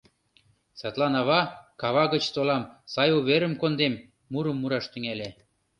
Садлан ава «кава гыч толам, сай уверым кондем» мурым мураш тӱҥале.